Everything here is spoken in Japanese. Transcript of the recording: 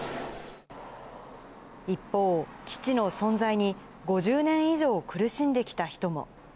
一方、基地の存在に５０年以上苦しんできた人も。